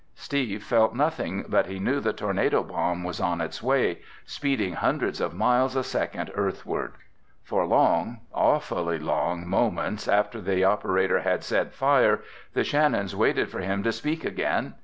Steve felt nothing but he knew the tornado bomb was on its way, speeding hundreds of miles a second Earthward. For long, awfully long, moments after the operator had said, "Fire!" the Shannons waited for him to speak again.